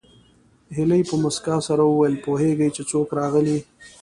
هيلې په مسکا سره وویل پوهېږې چې څوک راغلي